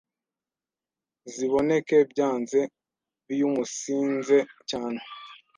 ziboneke byanze biumunsinze cyane